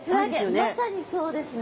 まさにそうですね。